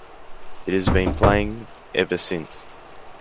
It has been playing ever since.